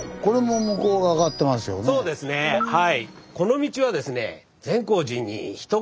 そうですねはい。